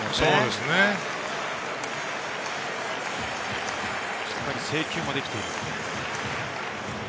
しっかり制球もできている。